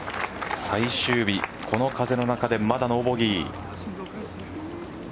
最終日この風の中で、まだノーボギー。